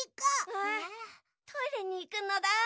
トイレにいくのだ。